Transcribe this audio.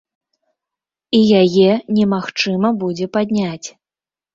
І яе немагчыма будзе падняць.